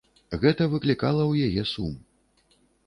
Гэта выклікала ў яе сум.